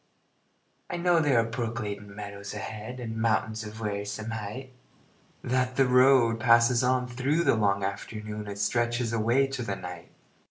I know there are brook gladdened meadows ahead, And mountains of wearisome height; That the road passes on through the long afternoon And stretches away to the night.